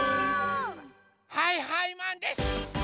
はいはいマンです！